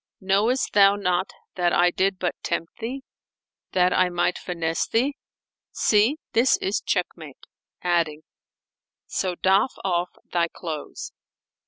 Knowest thou not that I did but tempt thee, that I might finesse thee? See: this is check mate!" adding, "So doff off thy clothes."